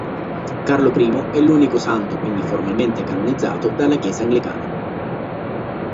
Carlo I è l'unico santo quindi formalmente canonizzato dalla Chiesa anglicana.